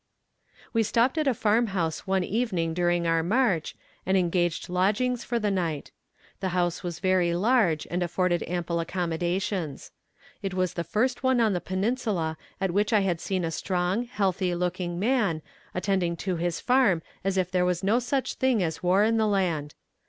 We stopped at a farm house one evening during our march, and engaged lodgings for the night. The house was very large, and afforded ample accommodations. It was the first one on the Peninsula at which I had seen a strong, healthy looking man, attending to his farm as if there was no such thing as war in the land.